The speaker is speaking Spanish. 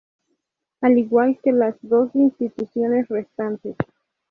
Al igual que las dos instituciones restantes.